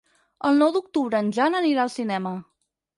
El nou d'octubre en Jan anirà al cinema.